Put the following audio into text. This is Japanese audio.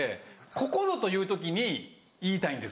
ここぞという時に言いたいんです